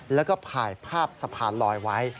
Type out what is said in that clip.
แล้วก็ถ่ายภาพสะพานลอยไว้